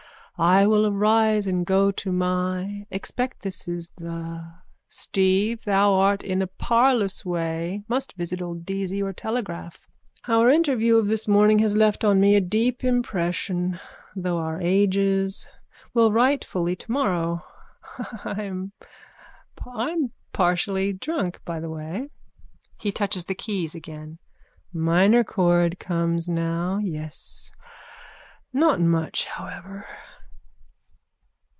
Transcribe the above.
I will arise and go to my. Expect this is the. Steve, thou art in a parlous way. Must visit old Deasy or telegraph. Our interview of this morning has left on me a deep impression. Though our ages. Will write fully tomorrow. I'm partially drunk, by the way. (He touches the keys again.) Minor chord comes now. Yes. Not much however.